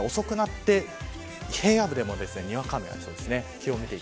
関東も夜遅くなって平野部でもにわか雨が出そうです。